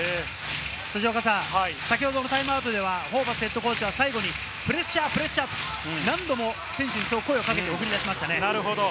辻岡さん、先ほどのタイムアウトではホーバスＨＣは最後にプレッシャー、プレッシャー！と何度も選手にそう声をかけて送り出しました。